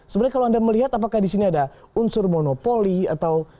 sebenarnya kalau anda melihat apakah di sini ada unsur monopoli atau